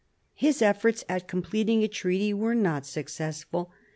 His efforts at completing a treaty were not successful.